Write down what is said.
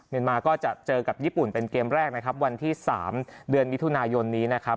มาก็จะเจอกับญี่ปุ่นเป็นเกมแรกนะครับวันที่๓เดือนมิถุนายนนี้นะครับ